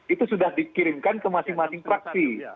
itu sudah dikirimkan ke masing masing fraksi